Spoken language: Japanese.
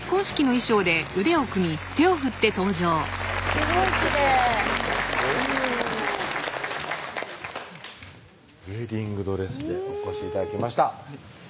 すごいきれいウエディングドレスでお越し頂きました